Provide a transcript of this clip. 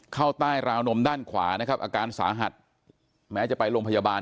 เข้าใต้ราวนมด้านขวานะครับอาการสาหัสแม้จะไปโรงพยาบาล